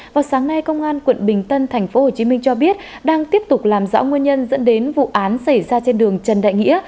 vào sáng nay công an quận bình tân tp hcm cho biết đang tiếp tục làm rõ nguyên nhân dẫn đến vụ án xảy ra trên đường trần đại nghĩa